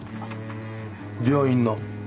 病院の。